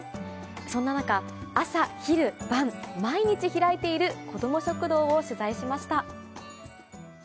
そんな中、朝、昼、晩、毎日開いている子ども食堂を取材しました。